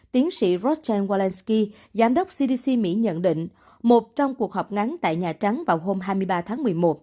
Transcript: tiến sĩ rostan welensky giám đốc cdc mỹ nhận định một trong cuộc họp ngắn tại nhà trắng vào hôm hai mươi ba tháng một mươi một